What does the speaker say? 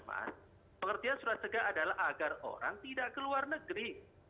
pengertian surat cegah adalah agar orang tidak ke luar negeri